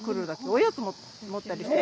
おやつ持ったりして？